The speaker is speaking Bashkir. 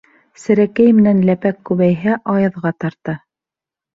Серәкәй менән ләпәк күбәйһә, аяҙға парта.